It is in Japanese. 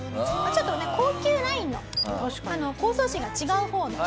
ちょっとね高級ラインの包装紙が違う方の。